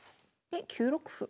で９六歩。